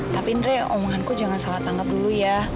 tapi andrei omonganku jangan salah tanggap dulu ya